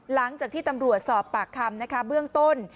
หลังจากที่ตำรวจสอบปากคำนะคะเบื้องต้น